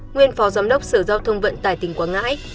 nguyên phó giám đốc sở giao thông vận tải tỉnh quảng ngãi